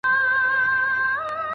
نوم یې ولي لا اشرف المخلوقات دی؟